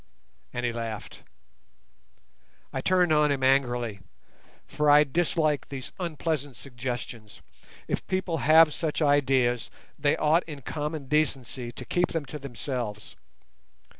And he laughed. I turned on him angrily, for I dislike these unpleasant suggestions. If people have such ideas, they ought in common decency to keep them to themselves.